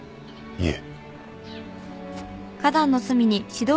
いえ。